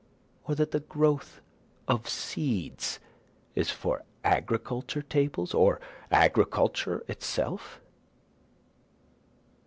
Or that the growth of seeds is for agricultural tables, or agriculture itself?